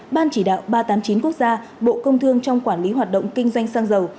ban chỉ đạo ba trăm tám mươi chín quốc gia bộ công thương trong quản lý hoạt động kinh doanh xăng dầu